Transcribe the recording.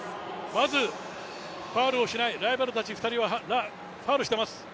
まずファウルをしない、ライバルたち２人はファウルをしています。